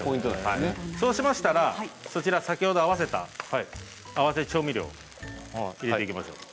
そうしましたらそちら先ほど合わせた合わせ調味料を入れていきましょう。